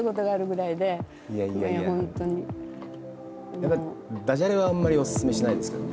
やっぱりダジャレはあんまりお勧めしないですけどね。